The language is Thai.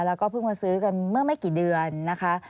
แล้วก็เพิ่งมาซื้อกันเมื่อไม่กี่เดือนนะคะ